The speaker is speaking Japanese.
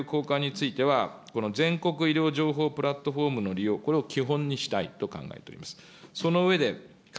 医療情報等の共有交換については、この全国医療情報プラットフォームの利用、これを基本にしたいと考えております。